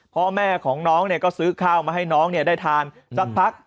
พ่อแม่ของน้องก็ซื้อข้าวมาให้น้องได้ทานสักพัก